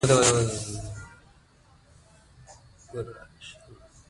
دی د حقایقو په بیان کې هیڅ مصلحت نه مني.